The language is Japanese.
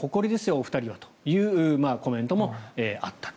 お二人はというコメントもあったと。